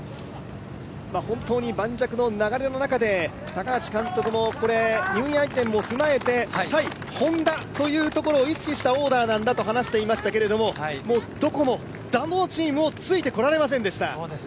本当に磐石の流れの中で高橋監督もニューイヤー駅伝も踏まえて対Ｈｏｎｄａというところを意識したオーダーなんだと話をしていましたけどどこのチームもついてこられませんでした。